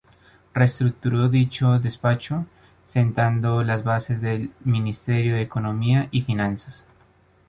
Reestructuró dicho despacho, sentando las bases del ministerio de Economía y Finanzas.